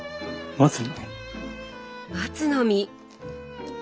松の実！